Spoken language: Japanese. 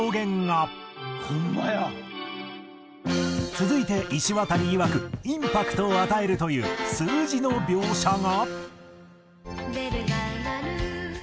続いていしわたりいわくインパクトを与えるという数字の描写が。